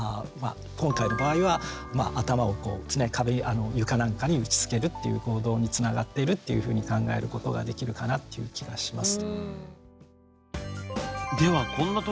今回の場合は頭をこう壁に床なんかに打ちつけるっていう行動につながってるっていうふうに考えることができるかなっていう気がします。